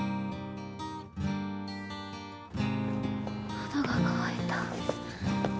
喉が渇いた。